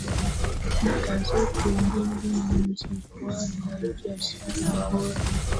bidhaa zote mbili ni jukwaa la biashara bora